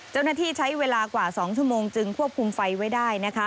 เจ้าหน้าที่ใช้เวลากว่า๒ชั่วโมงจึงควบคุมไฟไว้ได้นะคะ